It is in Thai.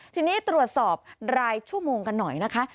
ทีนี้ตรวจสอบรายชั่วโมงกันหน่อยนะคะ